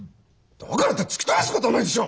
だからって突き飛ばすことはないでしょ！